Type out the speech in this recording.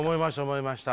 思いました。